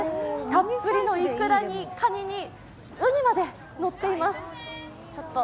たっぷりのいくらにカニにウニまでのっています。